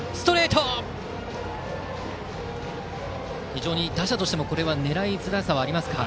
非常に打者としても狙いづらさはありますかね。